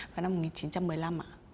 vào năm một nghìn chín trăm một mươi năm ạ